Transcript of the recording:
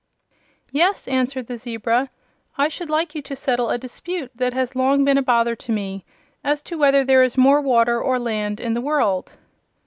"Yes," answered the zebra. "I should like you to settle a dispute that has long been a bother to me, as to whether there is more water or land in the world."